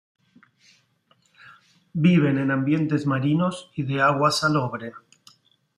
Viven en ambientes marinos y de agua salobre.